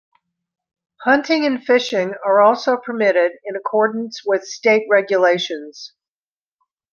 Hunting and fishing are also permitted in accordance with state regulations.